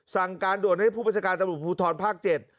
สั่งการโดนให้ผู้บริษฐการตำรวจภูทธรณ์ภาคเจ็ด